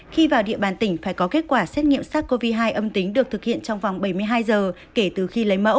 khi vào địa bàn tỉnh phải có kết quả xét nghiệm sars cov hai âm tính được thực hiện trong vòng bảy mươi hai giờ kể từ khi lấy mẫu